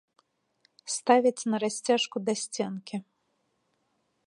Ставяць на расцяжку да сценкі.